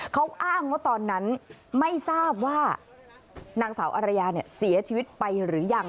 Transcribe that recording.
เขาอ้างว่าตอนนั้นไม่ทราบว่านางสาวอารยาเสียชีวิตไปหรือยัง